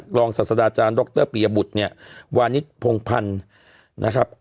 กรองศาสดาอาจารย์ดรปียบุตรเนี่ยวันนี้พงภัณฑ์นะครับ